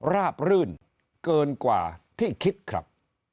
ราบรื่นเกินกว่าที่คิดครับ